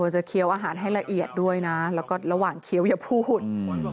จะเคี้ยวอาหารให้ละเอียดด้วยนะแล้วก็ระหว่างเคี้ยวอย่าพูดอืม